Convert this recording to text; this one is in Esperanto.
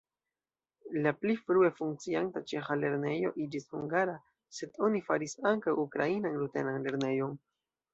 La pli frue funkcianta ĉeĥa lernejo iĝis hungara, sed oni faris ankaŭ ukrainan-rutenan lernejon.